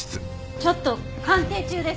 ちょっと鑑定中です。